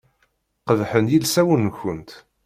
Qebḥen yilsawen-nkent.